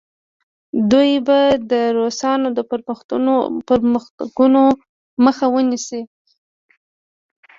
دوی به د روسانو د پرمختګونو مخه ونیسي.